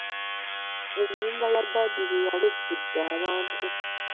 Ennyumba ya Badru yali ejjudde abantu.